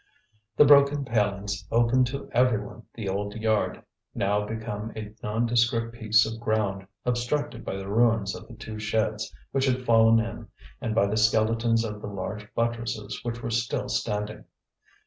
The broken palings opened to every one the old yard, now become a nondescript piece of ground, obstructed by the ruins of the two sheds which had fallen in, and by the skeletons of the large buttresses which were still standing.